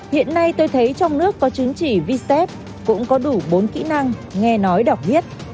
hiện nay tôi thấy trong nước có chứng chỉ vsep cũng có đủ bốn kỹ năng nghe nói đọc viết